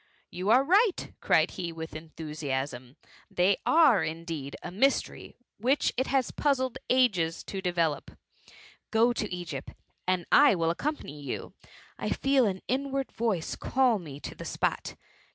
You are right," cried he, with enthusiasm, they are, indeed, a mystery which it has puzzled ages to develope— go to Egypt, and I will accompany you. I feel an inward voice call me to the spot.